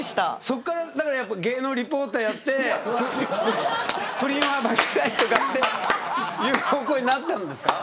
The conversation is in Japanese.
そこから芸能リポーターやって不倫を暴きたいとかっていう方向になったんですか。